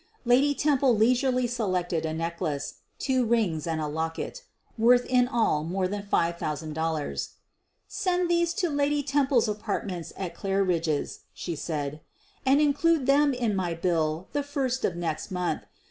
Lady Temple leisurely selected a necklace, two rings, and a locket — worth in all more than $5,000. 1 ' Send these to Lady Temple 's apartments at Cla ridge's," she said, "and include them in my bill] the first of next month.